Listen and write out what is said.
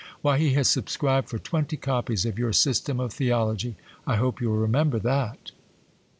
Why! he has subscribed for twenty copies of your "System of Theology." I hope you'll remember that.